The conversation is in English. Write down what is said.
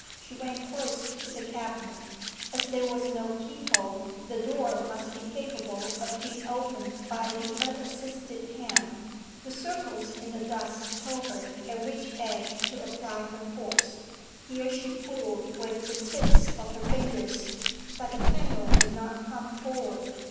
She went close to the cabinet. As there was no keyhole, the door must be capable of being opened by the unassisted hand. The circles in the dust told her at which edge to apply her force. Here she pulled with the tips of her fingers, but the panel would not come forward.